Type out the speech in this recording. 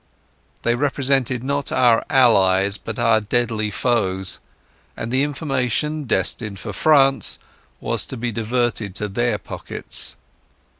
They represented not our Allies, but our deadly foes; and the information, destined for France, was to be diverted to their pockets.